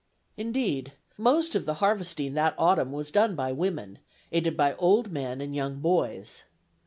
Indeed, most of the harvesting that autumn was done by women, aided by old men and young boys.